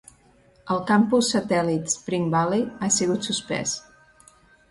El campus satèl·lit Spring Valley ha sigut suspès.